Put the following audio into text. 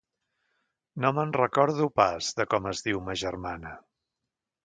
No me'n recordo pas, de com es diu ma germana.